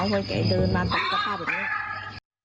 เพราะแกเดินมาตกตะข้าวแบบนี้